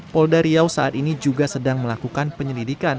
polda riau saat ini juga sedang melakukan penyelidikan